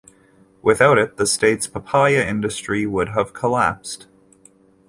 Without it, the state's papaya industry would have collapsed.